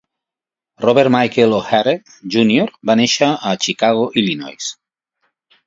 Robert Michael O'Hare, Junior, va néixer a Chicago, Illinois.